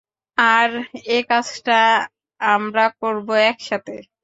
আর একাজটা আমরা করবো একসাথে।